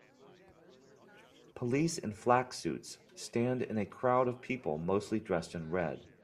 Police in flack suits stand in a crowd of people mostly dressed in red.